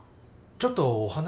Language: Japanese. ちょっとお話。